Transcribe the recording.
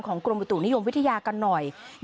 กรมอุตุนิยมวิทยากันหน่อย